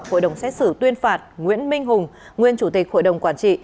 hội đồng xét xử tuyên phạt nguyễn minh hùng nguyên chủ tịch hội đồng quản trị